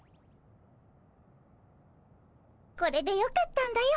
これでよかったんだよ